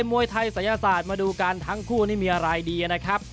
มวยไทยศัยศาสตร์มาดูกันทั้งคู่นี่มีอะไรดีนะครับ